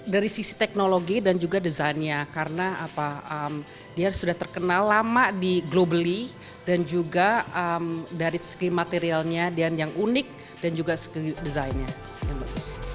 dari sisi teknologi dan juga desainnya karena dia sudah terkenal lama di globally dan juga dari segi materialnya yang unik dan juga segi desainnya yang bagus